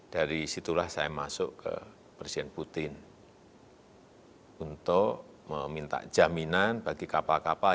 dari situlah saya masuk ke presiden putin untuk meminta jaminan bagi kapal kapal